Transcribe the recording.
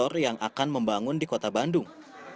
kota bandung ini juga akan membangun di kota bandung